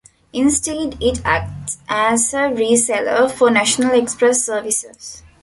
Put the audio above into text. Instead it acts as a re-seller for National Express services.